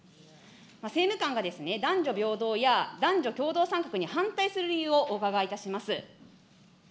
政務官が男女平等や男女共同参画に反対する理由をお伺いいたします。